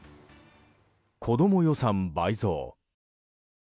子ども予算倍増。